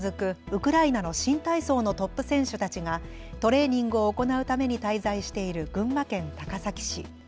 ウクライナの新体操のトップ選手たちがトレーニングを行うために滞在している群馬県高崎市。